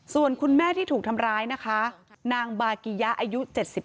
ส่วนคุณแม่ที่ถูกทำร้ายนะคะนางบากิยะอายุ๗๒